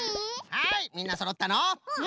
はいみんなそろったのう。